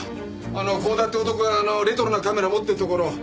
あの光田って男があのレトロなカメラ持ってるところを。